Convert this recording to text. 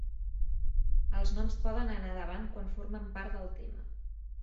El noms poden anar davant quan formen part del tema.